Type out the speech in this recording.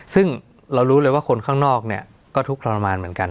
ซึ่งเรารู้เลยว่าคนข้างนอกเนี่ยก็ทุกข์ทรมานเหมือนกัน